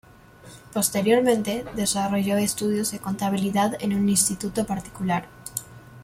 Posteriormente, desarrolló estudios de contabilidad en un instituto particular.